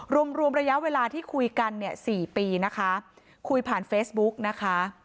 รวมรวมระยะเวลาที่คุยกันเนี่ย๔ปีนะคะคุยผ่านเฟซบุ๊กนะคะ